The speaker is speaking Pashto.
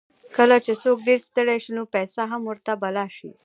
کله چې څوک ډېر ستړی شي، نو پېڅه هم ورته پلاو شي.